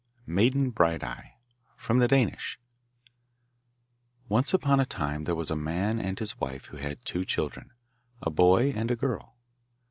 Maiden Bright eye From the Danish Once, upon a time there was a man and his wife who had two children, a boy and a girl.